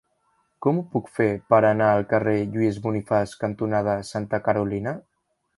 Com ho puc fer per anar al carrer Lluís Bonifaç cantonada Santa Carolina?